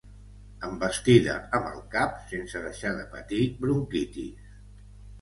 Envestida amb el cap sense deixar de patir bronquitis.